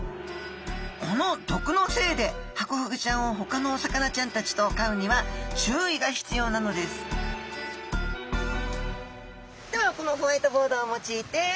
この毒のせいでハコフグちゃんをほかのお魚ちゃんたちと飼うには注意が必要なのですではこのホワイトボードを用いて解説をいたします。